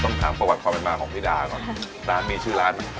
ถามประวัติความเป็นมาของพี่ดาก่อนร้านมีชื่อร้าน